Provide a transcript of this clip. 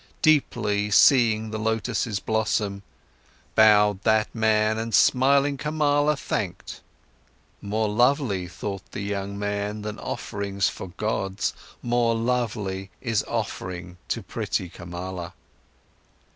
Deeply, seeing the lotus's blossom, Bowed that man, and smiling Kamala thanked. More lovely, thought the young man, than offerings for gods, More lovely is offering to pretty Kamala.